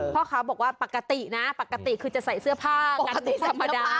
พ่อค้าบอกว่าปกตินะปกติคือจะใส่เสื้อผ้ากันสมดาห์